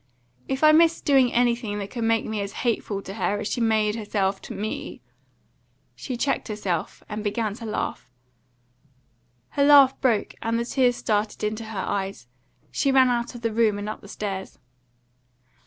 "If I missed doing anything that could make me as hateful to her as she made herself to me " She checked herself, and began to laugh. Her laugh broke, and the tears started into her eyes; she ran out of the room, and up the stairs.